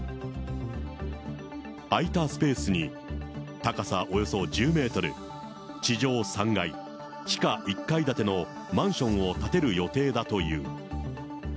空いたスペースに、高さおよそ１０メートル、地上３階、地下１階建てのマンションを建てる予定だという。